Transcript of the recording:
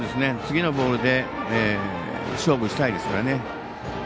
次のボールで勝負したいですからね。